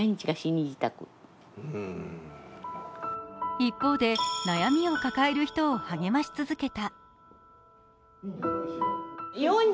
一方で悩みを抱える人を励まし続けた。